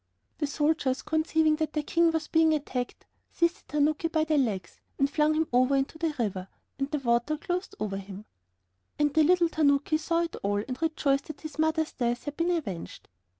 The soldiers, conceiving that their king was being attacked, seized the tanuki by the legs and flung him over into the river, and the water closed over him. And the little tanoki saw it all, and rejoiced that his mother's death had been avenged.